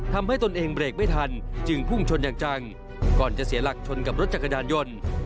ตนเองเบรกไม่ทันจึงพุ่งชนอย่างจังก่อนจะเสียหลักชนกับรถจักรยานยนต์